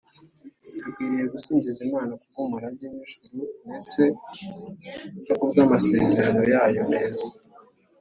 dukwiriye gusingiza imana kubw’umurage w’ijuru ndetse no kubw’amasezerano yayo meza;